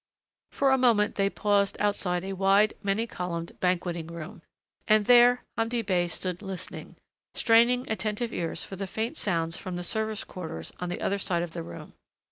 For a moment they paused outside a wide, many columned banqueting room, and there Hamdi Bey stood listening, straining attentive ears for the faint sounds from the service quarters on the other side of the room.